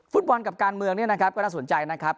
ฟุตบอลกับการเมืองเนี่ยนะครับก็น่าสนใจนะครับ